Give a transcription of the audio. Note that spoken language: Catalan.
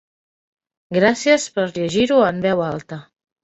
Gràcies per llegir-ho en veu alta.